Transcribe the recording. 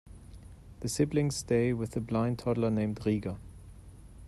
The siblings stay with a blind toddler named Riga.